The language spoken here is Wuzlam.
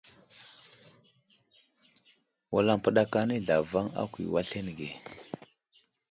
Wulampəɗak anay zlavaŋ a kuyo aslane ge.